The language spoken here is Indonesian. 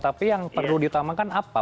tapi yang perlu ditamakan apa